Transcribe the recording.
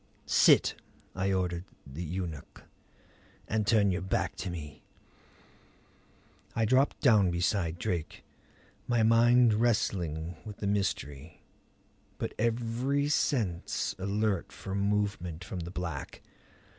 "Sit," I ordered the eunuch. "And turn your back to me." I dropped down beside Drake, my mind wrestling with the mystery, but every sense alert for movement from the black.